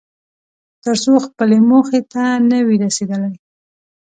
تر څو خپلې موخې ته نه وې رسېدلی.